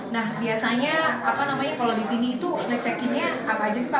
nah biasanya apa namanya kalau di sini itu ngecekinnya apa aja sih pak